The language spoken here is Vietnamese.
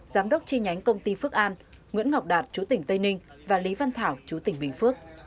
giám đốc chi nhánh công ty phước an nguyễn ngọc đạt chủ tỉnh tây ninh và lý văn thảo chú tỉnh bình phước